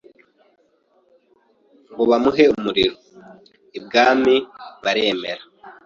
ngo bamuhe umuriro. Ibwami baremera.